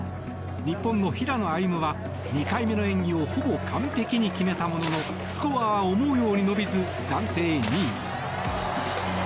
日本の平野歩夢は２回目の演技をほぼ完璧に決めたもののスコアは思うように伸びず暫定２位。